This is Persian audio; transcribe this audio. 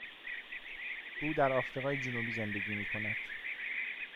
او در آفریقای جنوبی زندگی می کند.